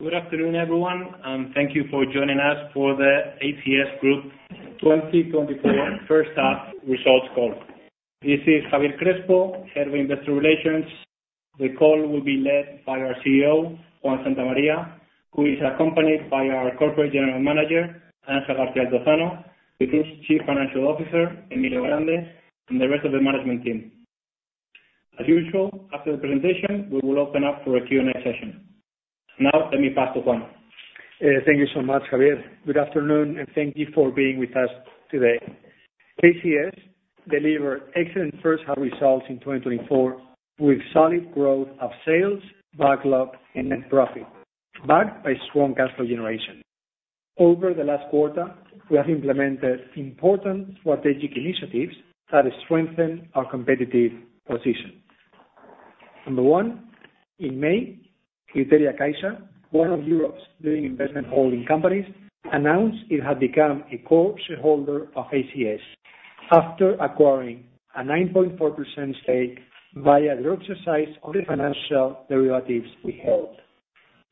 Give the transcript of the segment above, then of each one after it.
Good afternoon, everyone, and thank you for joining us for the ACS Group 2024 first half results call. This is Javier Crespo, Head of Investor Relations. The call will be led by our CEO, Juan Santamaría, who is accompanied by our Corporate General Manager, Ángel García Altozano, the Group's Chief Financial Officer, Emilio Grande, and the rest of the management team. As usual, after the presentation, we will open up for a Q&A session. Now, let me pass to Juan. Thank you so much, Javier. Good afternoon, and thank you for being with us today. ACS delivered excellent first half results in 2024, with solid growth of sales, backlog, and net profit, backed by strong cash flow generation. Over the last quarter, we have implemented important strategic initiatives that strengthen our competitive position. Number one, in May, CriteriaCaixa, one of Europe's leading investment holding companies, announced it had become a core shareholder of ACS after acquiring a 9.4% stake via the exercise of the financial derivatives we held.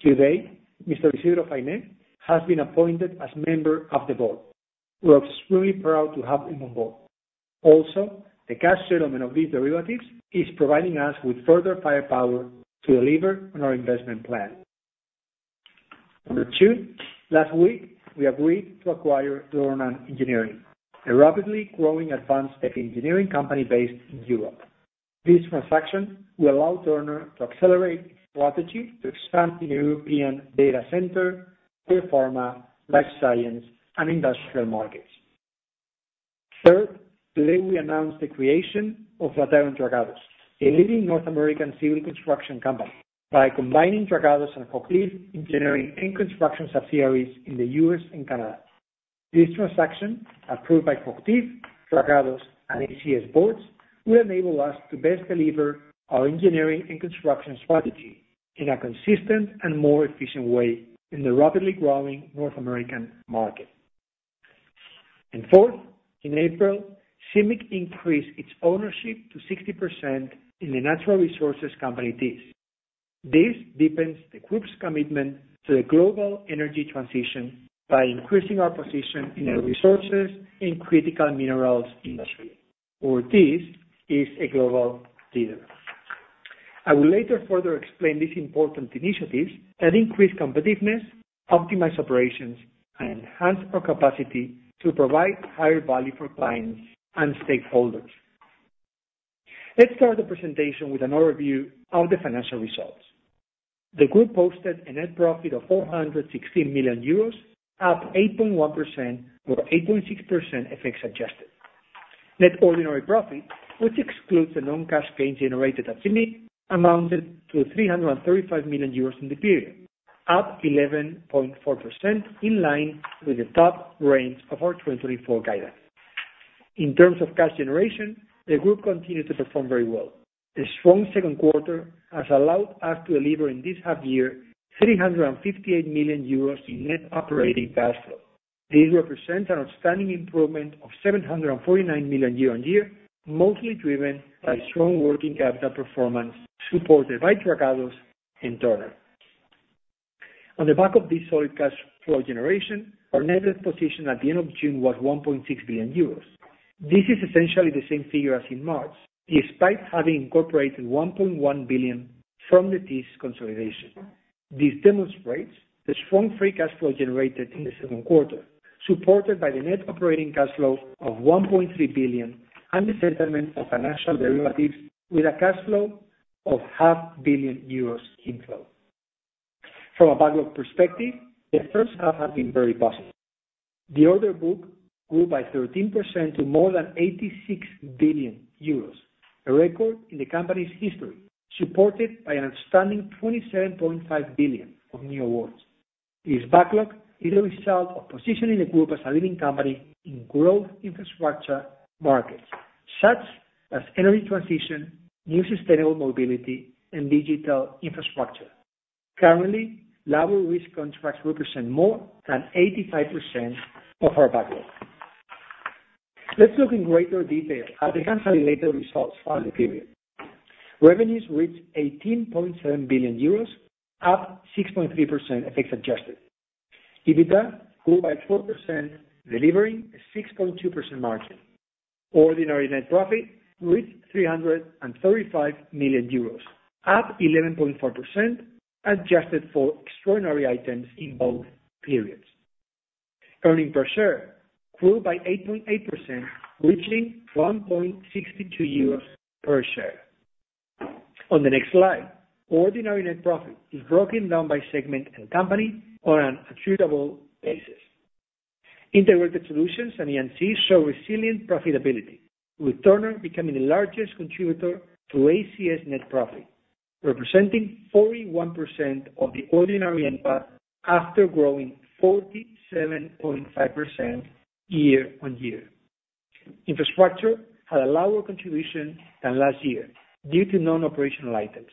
Today, Mr. Isidro Fainé has been appointed as member of the board. We are extremely proud to have him on board. Also, the cash settlement of these derivatives is providing us with further firepower to deliver on our investment plan. Number two, last week, we agreed to acquire Dornan Engineering, a rapidly growing advanced engineering company based in Europe. This transaction will allow Turner to accelerate strategy to expand in European data center, biopharma, life science, and industrial markets. Third, today, we announced the creation of Flatiron Dragados, a leading North American civil construction company, by combining Dragados and Flatiron Engineering and Construction subsidiaries in the U.S. and Canada. This transaction, approved by Flatiron, Dragados, and ACS boards, will enable us to best deliver our engineering and construction strategy in a consistent and more efficient way in the rapidly growing North American market. And fourth, in April, CIMIC increased its ownership to 60% in the natural resources company, Thiess. This deepens the group's commitment to the global energy transition by increasing our position in the resources and critical minerals industry, where Thiess is a global leader. I will later further explain these important initiatives that increase competitiveness, optimize operations, and enhance our capacity to provide higher value for clients and stakeholders. Let's start the presentation with an overview of the financial results. The group posted a net profit of 416 million euros, up 8.1%, or 8.6% FX adjusted. Net ordinary profit, which excludes the non-cash gains generated at CIMIC, amounted to 335 million euros in the period, up 11.4%, in line with the top range of our 2024 guidance. In terms of cash generation, the group continued to perform very well. The strong second quarter has allowed us to deliver in this half year, 358 million euros in net operating cash flow. This represents an outstanding improvement of 749 million year-on-year, mostly driven by strong working capital performance, supported by Dragados and Turner. On the back of this solid cash flow generation, our net position at the end of June was 1.6 billion euros. This is essentially the same figure as in March, despite having incorporated 1.1 billion from the Thiess consolidation. This demonstrates the strong free cash flow generated in the second quarter, supported by the net operating cash flow of 1.3 billion and the settlement of financial derivatives with a cash flow of 0.5 billion euros inflow. From a backlog perspective, the first half has been very positive. The order book grew by 13% to more than 86 billion euros, a record in the company's history, supported by an outstanding 27.5 billion of new awards. This backlog is a result of positioning the group as a leading company in growth infrastructure markets, such as energy transition, new sustainable mobility, and digital infrastructure. Currently, lower-risk contracts represent more than 85% of our backlog. Let's look in greater detail at the consolidated results for the period. Revenues reached 18.7 billion euros, up 6.3% FX adjusted. EBITDA grew by 4%, delivering a 6.2% margin. Ordinary net profit reached 335 million euros, up 11.4%, adjusted for extraordinary items in both periods. Earnings per share grew by 8.8%, reaching 1.62 euros per share. On the next slide, ordinary net profit is broken down by segment and company on an attributable basis. Integrated solutions and E&C show resilient profitability, with Turner becoming the largest contributor to ACS net profit, representing 41% of the ordinary impact after growing 47.5% year-on-year. Infrastructure had a lower contribution than last year due to non-operational items.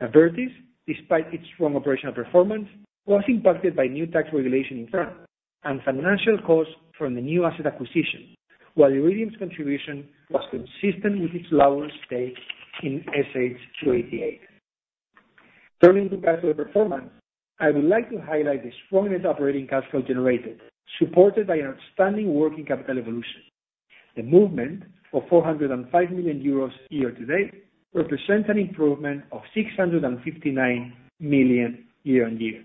Abertis, despite its strong operational performance, was impacted by new tax regulation in France and financial costs from the new asset acquisition, while Iridium's contribution was consistent with its lower stake in SH-288. Turning to cash flow performance, I would like to highlight the strong net operating cash flow generated, supported by an outstanding working capital evolution. The movement of 405 million euros year to date represents an improvement of 659 million year-on-year.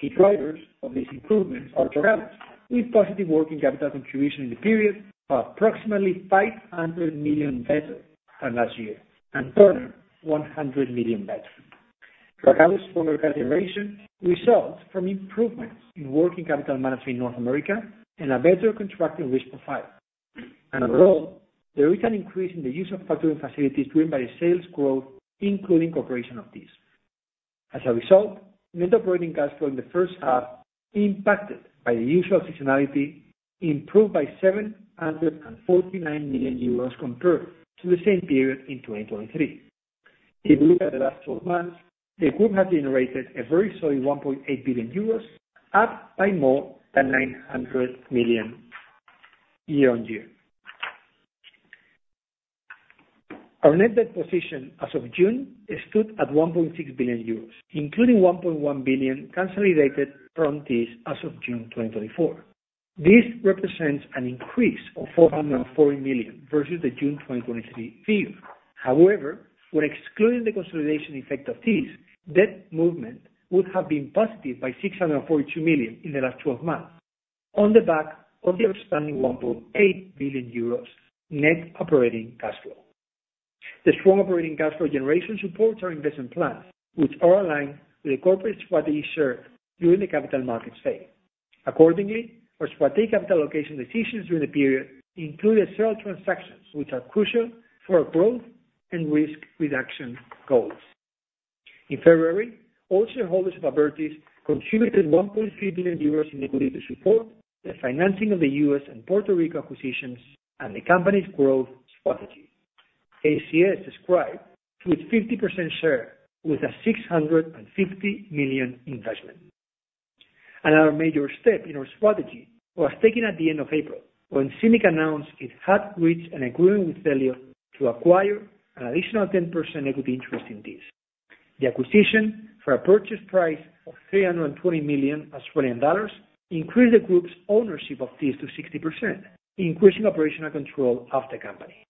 Key drivers of this improvement are Dragados, with positive working capital contribution in the period of approximately 500 million better than last year, and further 100 million better. Dragados's stronger cash generation results from improvements in working capital management in North America and a better construction risk profile. And overall, there is an increase in the use of factoring facilities driven by sales growth, including cooperation of these. As a result, net operating cash flow in the first half, impacted by the usual seasonality, improved by 749 million euros compared to the same period in 2023. If you look at the last 12 months, the group has generated a very solid 1.8 billion euros, up by more than 900 million year-on-year. Our net debt position as of June stood at 1.6 billion euros, including 1.1 billion consolidated from this as of June 2024. This represents an increase of 440 million versus the June 2023 figure. However, when excluding the consolidation effect of this, debt movement would have been positive by 642 million in the last twelve months, on the back of the outstanding 1.8 billion euros net operating cash flow. The strong operating cash flow generation supports our investment plans, which are aligned with the corporate strategy served during the capital markets phase. Accordingly, our strategy capital allocation decisions during the period included several transactions, which are crucial for our growth and risk reduction goals. In February, all shareholders of Abertis contributed 1.3 billion euros in equity to support the financing of the U.S. and Puerto Rico acquisitions and the company's growth strategy. ACS subscribed to its 50% share with a 650 million investment. Another major step in our strategy was taken at the end of April, when CIMIC announced it had reached an agreement with Elliott to acquire an additional 10% equity interest in Thiess. The acquisition, for a purchase price of 320 million Australian dollars, increased the group's ownership of Thiess to 60%, increasing operational control of the company.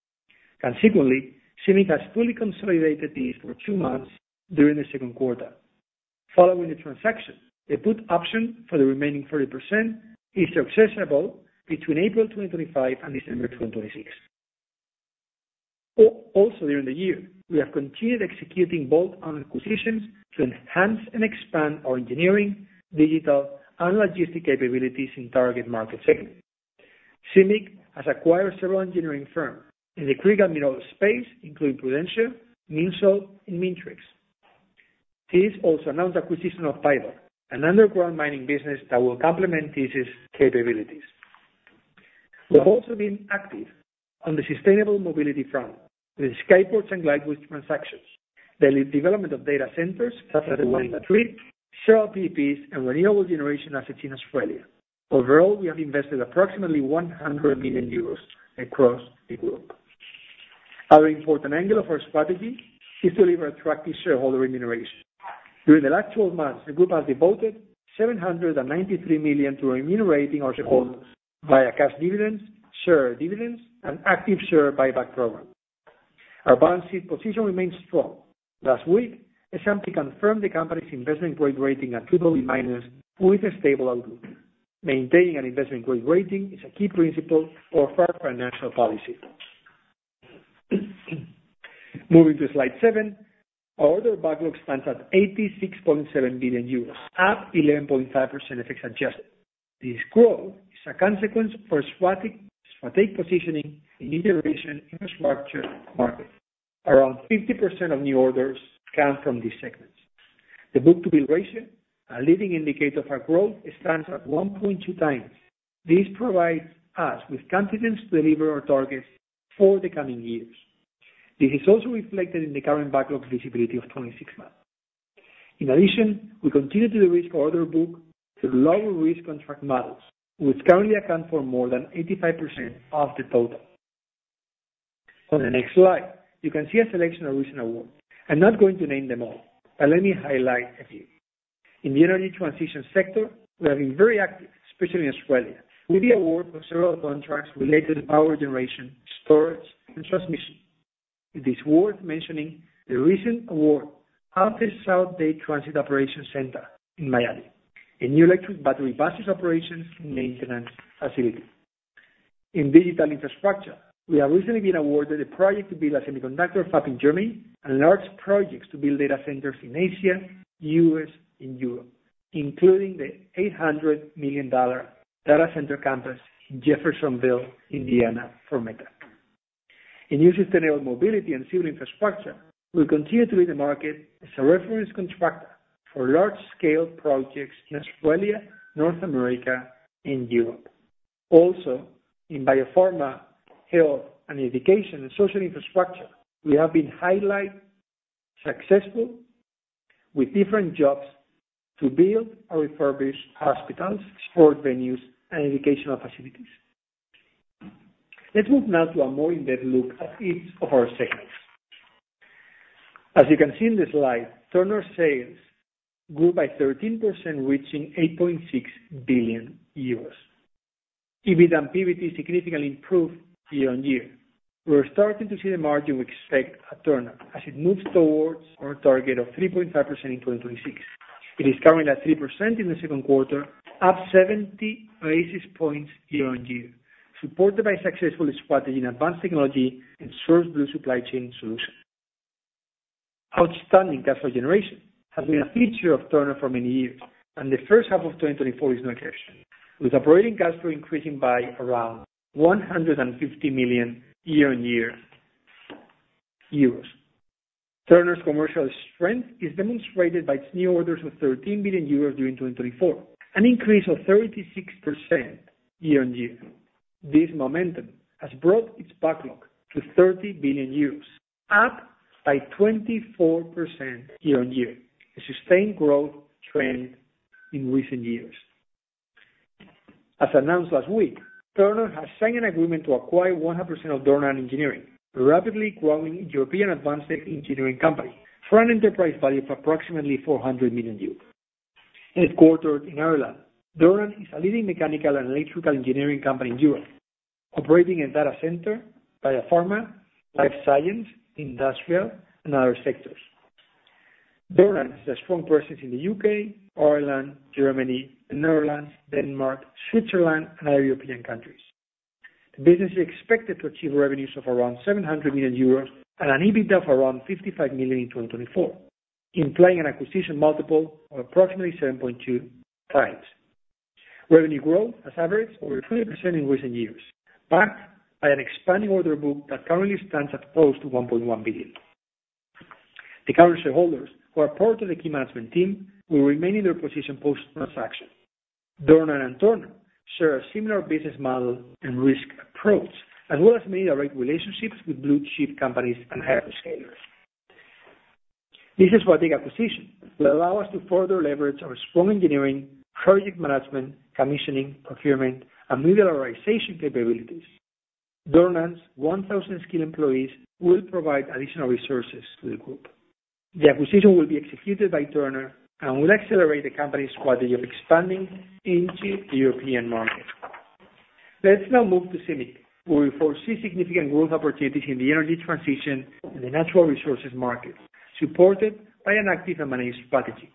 Consequently, CIMIC has fully consolidated Thiess for two months during the second quarter. Following the transaction, the put option for the remaining 40% is accessible between April 2025 and December 2026. Also during the year, we have continued executing bold acquisitions to enhance and expand our engineering, digital, and logistic capabilities in target market segments. CIMIC has acquired several engineering firms in the critical mineral space, including Prudentia, MinSol, and Mintrex. This also announced acquisition of PYBAR, an underground mining business that will complement Thiess's capabilities. We've also been active on the sustainable mobility front, with the Skyports and Glidepath transactions, the development of data centers, such as the one in Madrid, Chile PPPs, and renewable generation assets in Australia. Overall, we have invested approximately 100 million euros across the group. Other important angle of our strategy is to deliver attractive shareholder remuneration. During the last 12 months, the group has devoted 793 million to remunerating our shareholders via cash dividends, share dividends, and active share buyback program. Our balance sheet position remains strong. Last week, S&P confirmed the company's investment grade rating at BBB-, with a stable outlook. Maintaining an investment grade rating is a key principle for our financial policy. Moving to slide seven, our order backlog stands at 86.7 billion euros, up 11.5% FX adjusted. This growth is a consequence for strategic positioning in generation infrastructure market. Around 50% of new orders come from these segments. The book-to-bill ratio, a leading indicator of our growth, stands at 1.2 times. This provides us with confidence to deliver our targets for the coming years. This is also reflected in the current backlog visibility of 26 months. In addition, we continue to reorder book to lower risk contract models, which currently account for more than 85% of the total. On the next slide, you can see a selection of recent awards. I'm not going to name them all, but let me highlight a few. In the energy transition sector, we have been very active, especially in Australia, with the award of several contracts related to power generation, storage, and transmission. It is worth mentioning the recent award of the South Dade Transit Operations Center in Miami, a new electric battery buses operations and maintenance facility. In digital infrastructure, we have recently been awarded a project to build a semiconductor fab in Germany, and large projects to build data centers in Asia, U.S., and Europe, including the $800 million data center campus in Jeffersonville, Indiana, for Meta. In new sustainable mobility and civil infrastructure, we continue to lead the market as a reference contractor for large-scale projects in Australia, North America, and Europe. Also, in biopharma, health and education, and social infrastructure, we have been highly successful-... With different jobs to build or refurbish hospitals, sport venues, and educational facilities. Let's move now to a more in-depth look at each of our segments. As you can see in the slide, Turner sales grew by 13%, reaching 8.6 billion euros. EBIT and PBT significantly improved year-on-year. We're starting to see the margin we expect at Turner as it moves towards our target of 3.5% in 2026. It is currently at 3% in the second quarter, up 70 basis points year-on-year, supported by successful strategy in advanced technology and SourceBlue supply chain solutions. Outstanding cash flow generation has been a feature of Turner for many years, and the first half of 2024 is no exception, with operating cash flow increasing by around 150 million euros year-on-year. Turner's commercial strength is demonstrated by its new orders of 13 billion euros during 2024, an increase of 36% year-on-year. This momentum has brought its backlog to 30 billion euros, up by 24% year-on-year, a sustained growth trend in recent years. As announced last week, Turner has signed an agreement to acquire 100% of Dornan Engineering, a rapidly growing European advanced engineering company, for an enterprise value of approximately 400 million euros. Headquartered in Ireland, Dornan is a leading mechanical and electrical engineering company in Europe, operating in data center, biopharma, life science, industrial, and other sectors. Dornan has a strong presence in the U.K., Ireland, Germany, the Netherlands, Denmark, Switzerland, and other European countries. The business is expected to achieve revenues of around 700 million euros and an EBITDA of around 55 million in 2024, implying an acquisition multiple of approximately 7.2x. Revenue growth has averaged over 30% in recent years, backed by an expanding order book that currently stands at close to 1.1 billion. The current shareholders, who are part of the key management team, will remain in their position post-transaction. Dornan and Turner share a similar business model and risk approach, as well as many direct relationships with blue-chip companies and hyperscalers. This strategic acquisition will allow us to further leverage our strong engineering, project management, commissioning, procurement, and modularization capabilities. Dornan's 1,000 skilled employees will provide additional resources to the group. The acquisition will be executed by Turner and will accelerate the company's strategy of expanding into the European market. Let's now move to CIMIC, where we foresee significant growth opportunities in the energy transition and the natural resources market, supported by an active M&A strategy.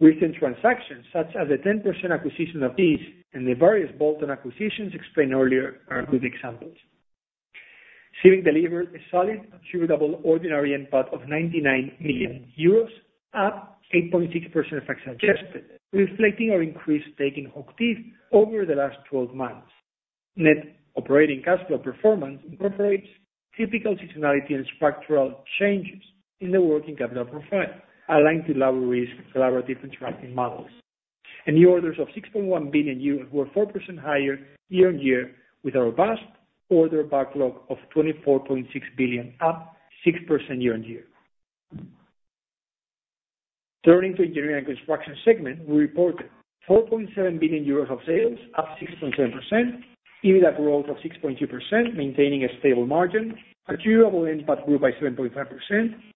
Recent transactions, such as the 10% acquisition of Thiess and the various bolt-on acquisitions explained earlier, are good examples. CIMIC delivered a solid attributable ordinary EBIT of 99 million euros, up 8.6% FX adjusted, reflecting our increased stake in Thiess over the last 12 months. Net operating cash flow performance incorporates typical seasonality and structural changes in the working capital profile, aligned to lower risk, collaborative contracting models. And new orders of 6.1 billion euros were 4% higher year-on-year, with a robust order backlog of 24.6 billion, up 6% year-on-year. Turning to engineering and construction segment, we reported 4.7 billion euros of sales, up 6.7%. EBITDA growth of 6.2%, maintaining a stable margin. Attributable NPAT grew by 7.5%,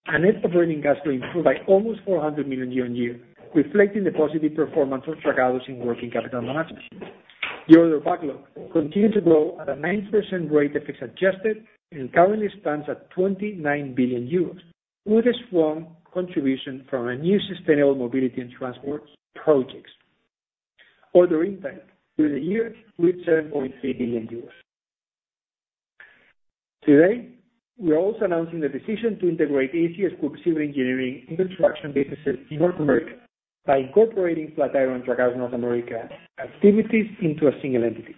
and net operating cash flow improved by almost 400 million year-over-year, reflecting the positive performance of Dragados in working capital management. The order backlog continued to grow at a 9% rate that FX adjusted and currently stands at 29 billion euros, with a strong contribution from our new sustainable mobility and transport projects. Order intake through the year with 7.3 billion euros. Today, we are also announcing the decision to integrate ACS Group's civil engineering and construction businesses in North America by incorporating Flatiron Dragados North America activities into a single entity.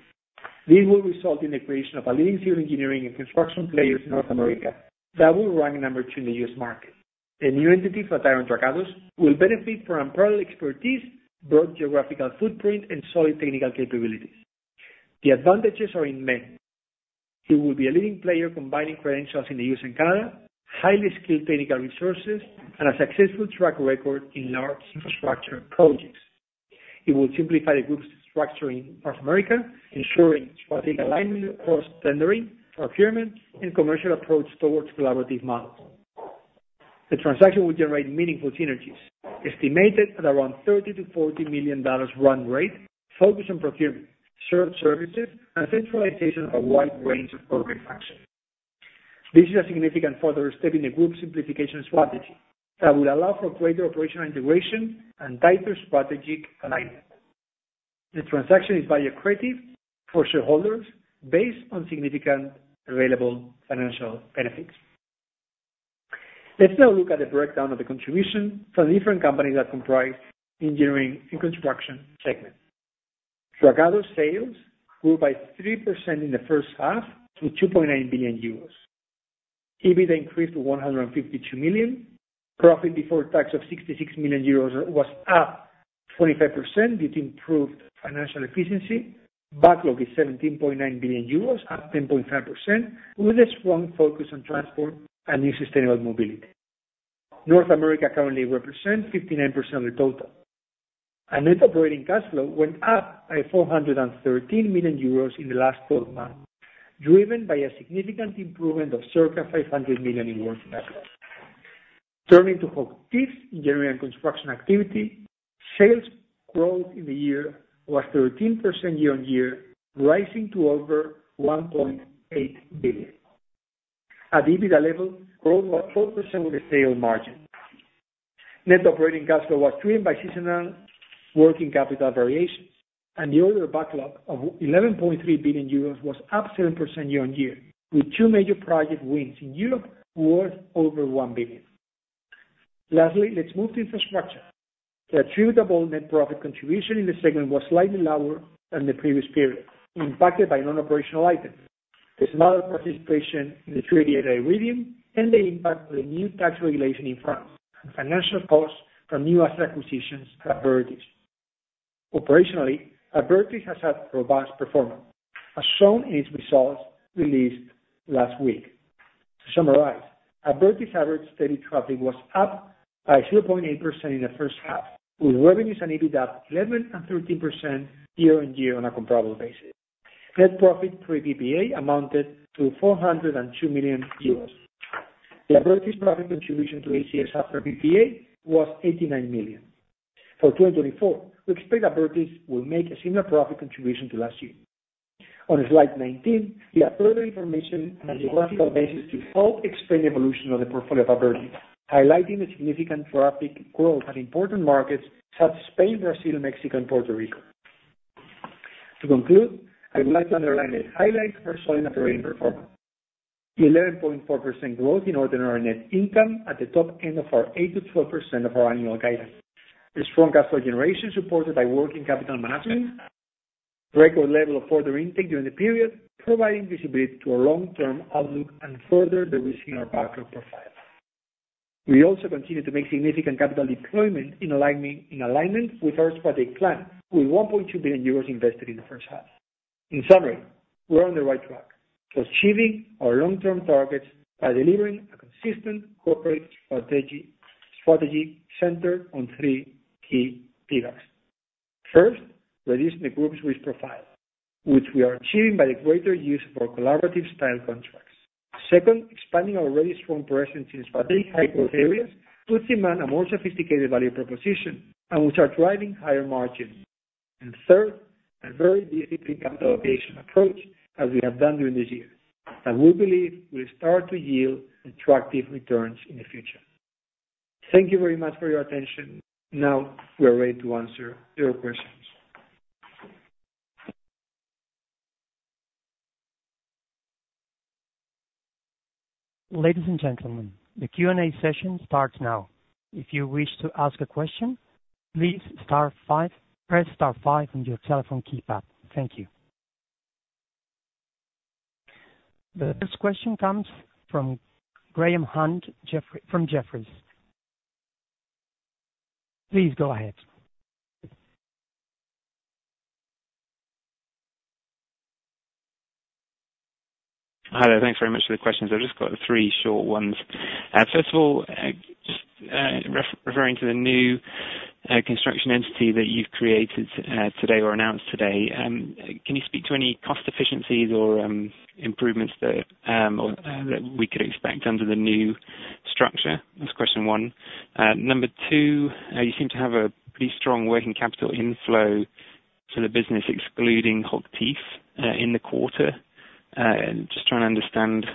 This will result in the creation of a leading civil engineering and construction player in North America that will rank number 2 in the U.S. market. The new entity, Flatiron Dragados, will benefit from unparalleled expertise, broad geographical footprint, and solid technical capabilities. The advantages are in many. It will be a leading player, combining credentials in the U.S. and Canada, highly skilled technical resources, and a successful track record in large infrastructure projects. It will simplify the group's structure in North America, ensuring strategic alignment across tendering, procurement, and commercial approach towards collaborative models. The transaction will generate meaningful synergies, estimated at around $30 million-$40 million run rate, focused on procurement, shared services, and centralization of a wide range of corporate functions. This is a significant further step in the group's simplification strategy that will allow for greater operational integration and tighter strategic alignment. The transaction is value accretive for shareholders based on significant available financial benefits. Let's now look at the breakdown of the contribution from the different companies that comprise engineering and construction segment. Dragados sales grew by 3% in the first half to 2.9 billion euros. EBITDA increased to 152 million. Profit before tax of 66 million euros was up forty-five percent due to improved financial efficiency. Backlog is 17.9 billion euros, up 10.5%, with a strong focus on transport and new sustainable mobility. North America currently represents 59% of the total, and net operating cash flow went up by 413 million euros in the last twelve months, driven by a significant improvement of circa 500 million in working capital. Turning to HOCHTIEF Engineering and Construction activity, sales growth in the year was 13% year-on-year, rising to over 1.8 billion. At EBITDA level, growth was 4% with a sales margin. Net operating cash flow was driven by seasonal working capital variations, and the order backlog of 11.3 billion euros was up 7% year-on-year, with two major project wins in Europe worth over 1 billion. Lastly, let's move to infrastructure. The attributable net profit contribution in this segment was slightly lower than the previous period, impacted by non-operational items. There's another participation in the Iridium, and the impact of the new tax regulation in France, and financial costs from new asset acquisitions at Iridium. Operationally, Abertis has had a robust performance, as shown in its results released last week. To summarize, Abertis average steady traffic was up by 0.8% in the first half, with revenues and EBITDA up 11% and 13% year-on-year on a comparable basis. Net profit pre-PPA amounted to 402 million euros. The Abertis profit contribution to ACS after PPA was 89 million. For 2024, we expect Abertis will make a similar profit contribution to last year. On slide 19, we have further information and geographical basis to help explain the evolution of the portfolio of Abertis, highlighting the significant traffic growth at important markets such as Spain, Brazil, Mexico, and Puerto Rico. To conclude, I would like to underline the highlights for Abertis operating performance. The 11.4% growth in ordinary net income at the top end of our 8%-12% of our annual guidance. The strong cash flow generation supported by working capital management, record level of order intake during the period, providing visibility to our long-term outlook and further reducing our backlog profile. We also continue to make significant capital deployment in aligning, in alignment with our strategic plan, with 1.2 billion euros invested in the first half. In summary, we're on the right track, achieving our long-term targets by delivering a consistent corporate strategy, strategy centered on three key pillars. First, reducing the group's risk profile, which we are achieving by the greater use of our collaborative style contracts. Second, expanding our already strong presence in strategic high growth areas, puts demand a more sophisticated value proposition, and which are driving higher margins. And third, a very disciplined capital allocation approach, as we have done during this year, and we believe will start to yield attractive returns in the future. Thank you very much for your attention. Now, we are ready to answer your questions. Ladies and gentlemen, the Q&A session starts now. If you wish to ask a question, please star five, press star five on your telephone keypad. Thank you. The first question comes from Graham Hunt, from Jefferies. Please go ahead. Hi there. Thanks very much for the questions. I've just got three short ones. First of all, just referring to the new construction entity that you've created today or announced today, can you speak to any cost efficiencies or improvements that we could expect under the new structure? That's question one. Number two, you seem to have a pretty strong working capital inflow to the business, excluding HOCHTIEF, in the quarter. Just trying to understand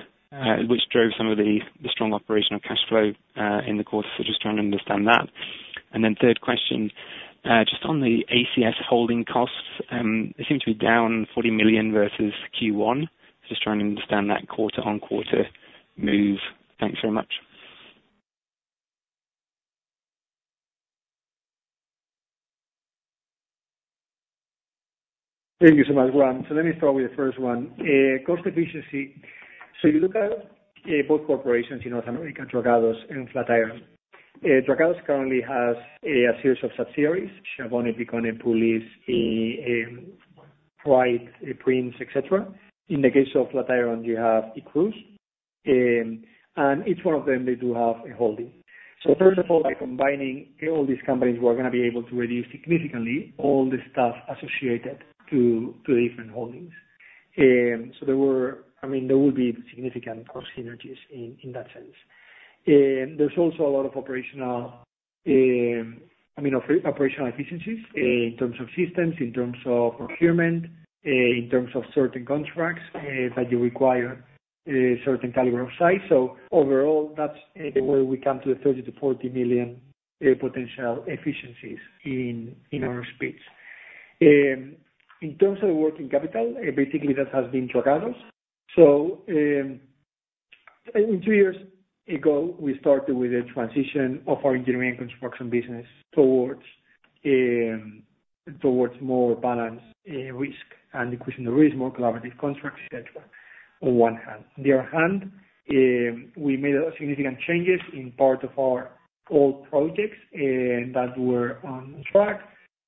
which drove some of the strong operational cash flow in the quarter, so just trying to understand that. Then third question, just on the ACS holding costs, they seem to be down 40 million versus Q1. Just trying to understand that quarter-on-quarter move. Thanks very much. Thank you so much, Graham. So let me start with the first one. Cost efficiency. So you look at both corporations in North America, Dragados and Flatiron. Dragados currently has a series of subsidiaries, Schiavone, Picone, Pulice, Prince, et cetera. In the case of Flatiron, you have Cruz, and each one of them, they do have a holding. So first of all, by combining all these companies, we're gonna be able to reduce significantly all the stuff associated to the different holdings. So there were, I mean, there will be significant cost synergies in that sense. There's also a lot of operational, I mean, operational efficiencies, in terms of systems, in terms of procurement, in terms of certain contracts, that you require, a certain caliber of size. So overall, that's the way we come to the 30 million-40 million potential efficiencies in our space. In terms of the working capital, basically that has been Dragados. So, in two years ago, we started with the transition of our engineering construction business towards more balanced risk and decreasing the risk, more collaborative contracts, et cetera, on one hand. The other hand, we made a lot of significant changes in part of our old projects that were on track.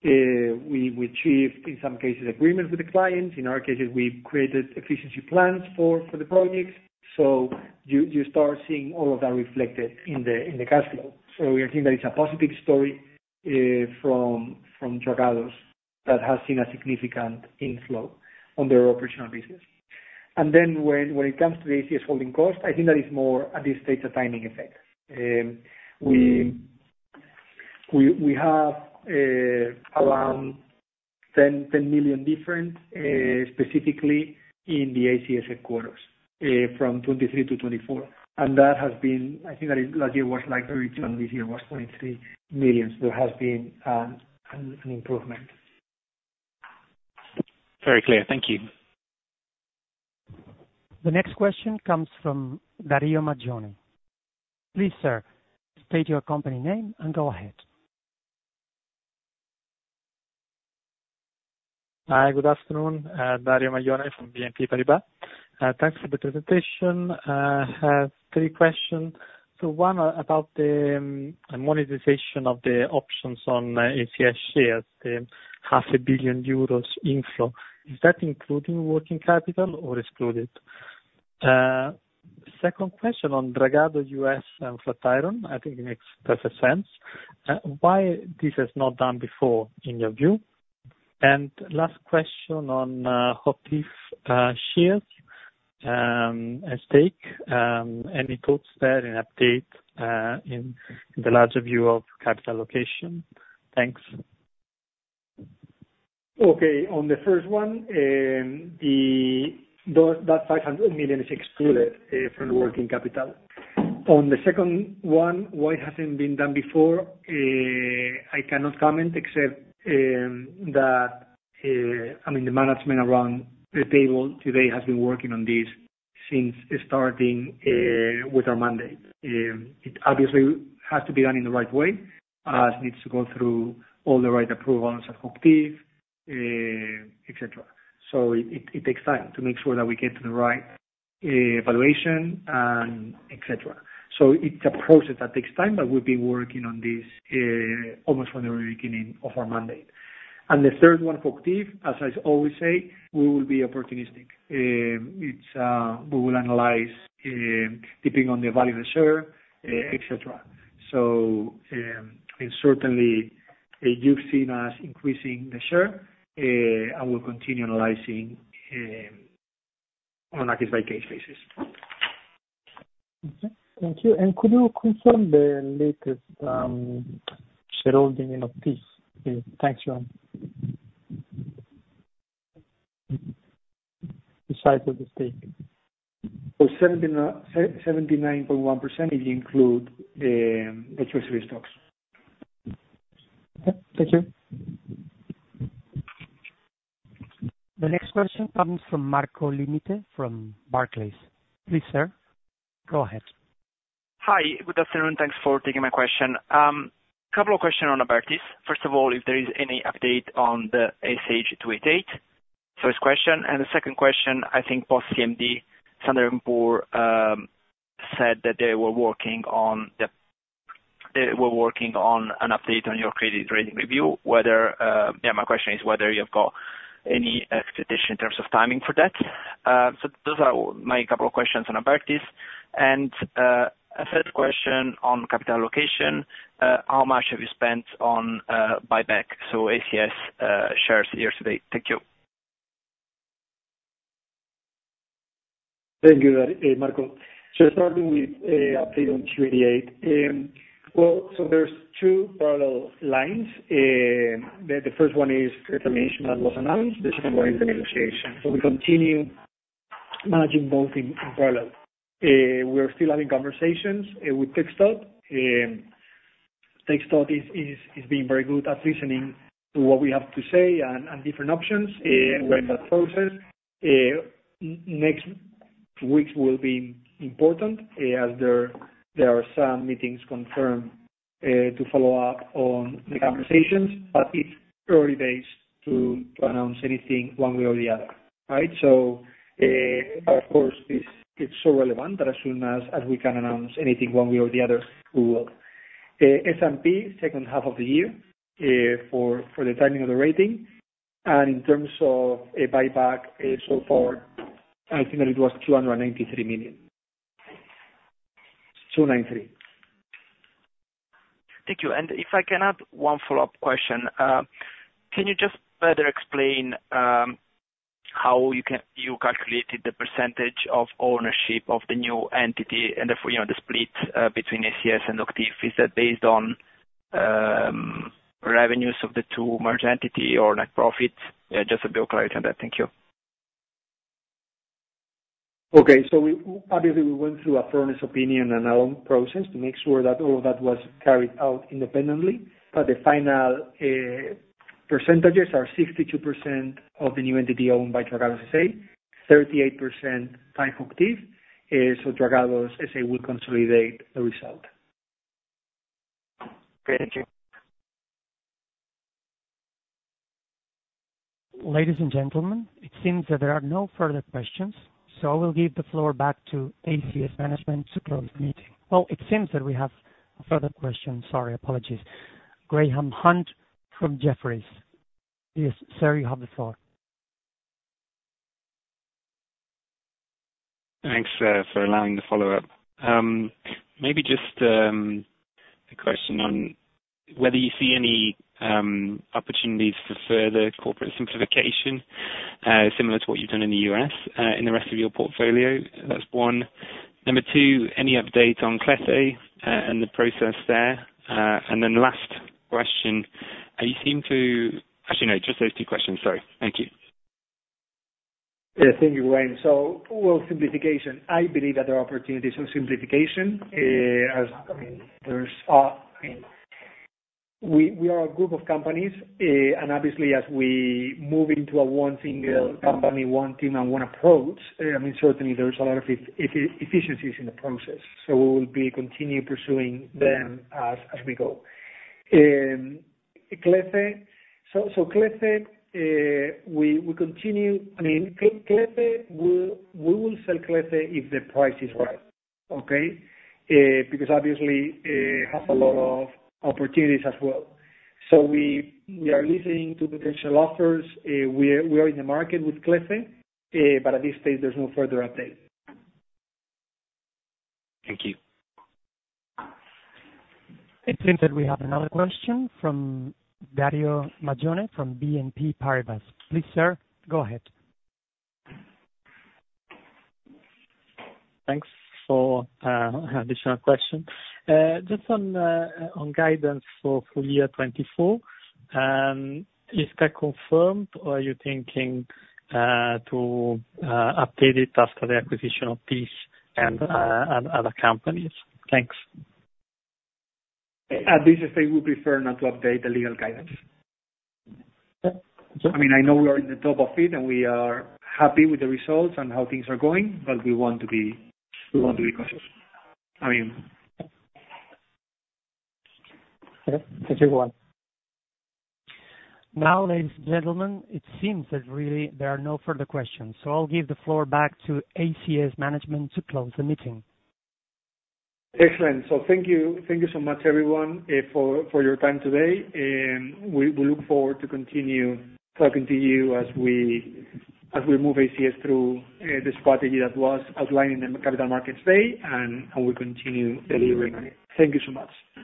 We achieved, in some cases, agreements with the clients. In other cases, we've created efficiency plans for the projects. So you start seeing all of that reflected in the cash flow. So we think that it's a positive story from Dragados that has seen a significant inflow on their operational business. When it comes to the ACS holding cost, I think that is more at this stage a timing effect. We have around 10 million different, specifically in the ACS headquarters, from 2023 to 2024. And that has been, I think that last year was like EUR 32 million, and this year was 23 million. There has been an improvement. Very clear. Thank you. The next question comes from Dario Maglione. Please, sir, state your company name, and go ahead. Hi, good afternoon, Dario Maglione from BNP Paribas. Thanks for the presentation. I have three questions. So one, about the monetization of the options on ACS shares, the 500 million euros inflow. Is that including working capital or excluded? Second question on Dragados U.S. and Flatiron, I think it makes perfect sense. Why this was not done before, in your view? And last question on shares at stake. Any thoughts there, an update, in the larger view of capital allocation? Thanks. Okay, on the first one, that 500 million is excluded from the working capital. On the second one, why it hasn't been done before, I cannot comment except that I mean, the management around the table today has been working on this since starting with our mandate. It obviously has to be done in the right way, it needs to go through all the right approvals, et cetera. So it takes time to make sure that we get to the right evaluation and et cetera. So it's a process that takes time, but we've been working on this almost from the very beginning of our mandate. And the third one, HOCHTIEF, as I always say, we will be opportunistic. We will analyze depending on the value of the share, et cetera. Certainly, you've seen us increasing the share, and we'll continue analyzing on a case-by-case basis. Okay. Thank you. And could you confirm the latest shareholding in HOCHTIEF? Thanks, Juan. The size of the stake. Well, 79.1%, it include stocks. Okay. Thank you. The next question comes from Marco Limite, from Barclays. Please, sir, go ahead. Hi. Good afternoon. Thanks for taking my question. Couple of questions on Abertis. First of all, if there is any update on the SH-288, first question. And the second question, I think post-CMD, Standard & Poor's said that they were working on the, they were working on an update on your credit rating review. Yeah, my question is whether you have got any expectation in terms of timing for that? So those are my couple of questions on Abertis. And a third question on capital allocation, how much have you spent on buyback, so ACS shares year to date? Thank you. Thank you, Marco. So starting with update on 288. Well, so there's two parallel lines. The first one is reclamation, that was announced, the second one is the negotiation. So we continue managing both in parallel. We're still having conversations with TxDOT. TxDOT is being very good at listening to what we have to say and different options, we're in that process. Next weeks will be important, as there are some meetings confirmed to follow up on the conversations, but it's early days to announce anything one way or the other. Right? So, but of course, this is so relevant that as soon as we can announce anything one way or the other, we will. S&P, second half of the year, for the timing of the rating. And in terms of a buyback, so far, I think that it was 293 million. Two nine three. Thank you. And if I can add one follow-up question. Can you just further explain how you calculated the percentage of ownership of the new entity and therefore, you know, the split between ACS and HOCHTIEF? Is that based on revenues of the two merged entity or net profit? Just a bit of clarity on that. Thank you. Okay. So we, obviously, we went through a fairness opinion and our own process to make sure that all of that was carried out independently. But the final percentages are 62% of the new entity owned by Dragados, S.A., 38% by HOCHTIEF, so Dragados, S.A. will consolidate the result.... Great, thank you. Ladies and gentlemen, it seems that there are no further questions, so I will give the floor back to ACS management to close the meeting. Well, it seems that we have a further question. Sorry, apologies. Graham Hunt from Jefferies. Yes, sir, you have the floor. Thanks, for allowing the follow-up. Maybe just, a question on whether you see any, opportunities for further corporate simplification, similar to what you've done in the U.S., in the rest of your portfolio? That's one. Number two, any update on Clece, and the process there. And then last question, you seem to... Actually, no, just those two questions. Sorry. Thank you. Yeah. Thank you, Graham. So well, simplification. I believe that there are opportunities for simplification, as, I mean, there's, I mean, we, we are a group of companies, and obviously as we move into a one single company, one team and one approach, I mean, certainly there's a lot of efficiencies in the process, so we will be continue pursuing them as, as we go. Clece. So, so Clece, we, we continue... I mean, Clece, we, we will sell Clece if the price is right, okay? Because obviously, it has a lot of opportunities as well. So we, we are listening to potential offers. We are, we are in the market with Clece, but at this stage, there's no further update. Thank you. It seems that we have another question from Dario Maglione from BNP Paribas. Please, sir, go ahead. Thanks for additional question. Just on guidance for full year 2024, is that confirmed or are you thinking to update it after the acquisition of Thiess and other companies? Thanks. At this stage, we prefer not to update the legal guidance. Okay. I mean, I know we are in the top of it, and we are happy with the results and how things are going, but we want to be, we want to be cautious. I mean. Okay. Thank you, Juan. Now, ladies and gentlemen, it seems that really there are no further questions, so I'll give the floor back to ACS management to close the meeting. Excellent. So thank you. Thank you so much, everyone, for your time today, and we look forward to continue talking to you as we move ACS through the strategy that was outlined in the Capital Markets Day, and we continue delivering on it. Thank you so much.